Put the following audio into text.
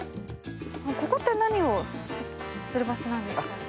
ここって何をする場所なんですか？